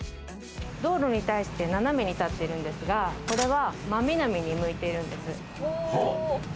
道路に対して斜めに建っているんですが、これは真南に向いているんです。